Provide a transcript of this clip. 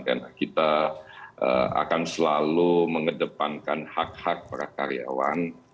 karena kita akan selalu mengedepankan hak hak para karyawan